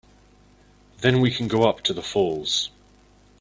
Then we can go up to the falls.